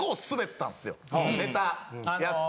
ネタやって。